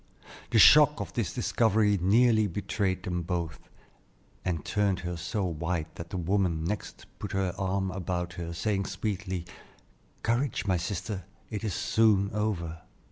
The shock of this discovery nearly betrayed them both, and turned her so white that the woman next her put her arm about her, saying sweetly: "Courage, my sister; it is soon over."